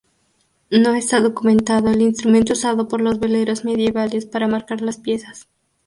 No está documentado el instrumento usado por los veleros medievales para marcar las piezas.